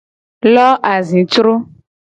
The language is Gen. Lo azicro.